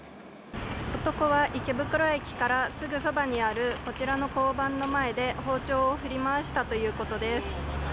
男は池袋駅からすぐそばにあるこちらの交番の前で包丁を振り回したということです。